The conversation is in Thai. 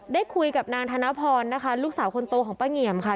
ได้คุยกับนางธนพรนะคะลูกสาวคนโตของป้าเหงี่ยมค่ะ